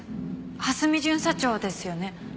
蓮見巡査長ですよね？